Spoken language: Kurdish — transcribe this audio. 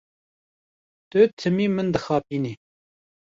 Tu timî min dixapînî.